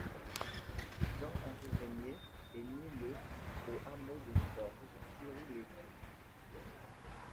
Jean-Henri Regnier est né le au hameau de Forge Thiry-lez-Theux.